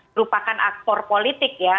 merupakan aktor politik ya